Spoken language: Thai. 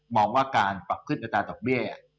บอกว่าการปรับขึ้นอัตราดอกเบี้ย